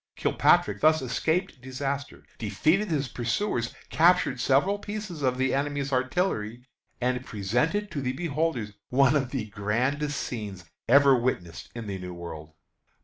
Kilpatrick thus escaped disaster, defeated his pursuers, captured several pieces of the enemy's artillery, and presented to the beholders one of the grandest scenes ever witnessed in the New World.